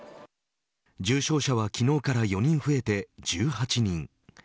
重症者は昨日から４人増えて１８人。